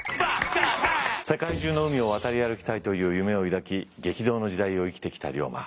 世界中の海を渡り歩きたいという夢を抱き激動の時代を生きてきた龍馬。